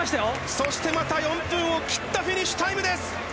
そしてまた４分を切ったフィニッシュタイムです！